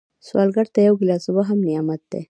سوالګر ته یو ګیلاس اوبه هم نعمت دی